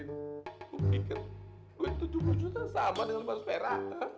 saya pikir uang tujuh puluh juta sama dengan uang per seferah